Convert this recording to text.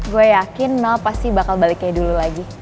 gue yakin nol pasti bakal balik kayak dulu lagi